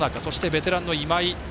そしてベテランの今井。